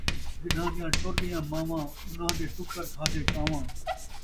جنہاں دیاں ٹر ڳیاں مان٘واں، اُنہاں دے ٹکر کھادے کان٘واں